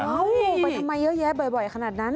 ไปทำไมเยอะแยะบ่อยขนาดนั้น